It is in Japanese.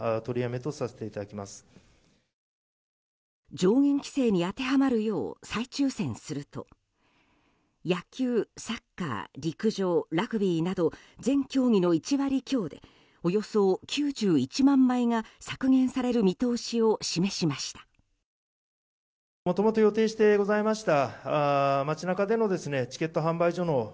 上限規制に当てはまるよう再抽選すると野球、サッカー、陸上ラグビーなど全競技の１割強でおよそ９１万枚が削減される見通しを示しました。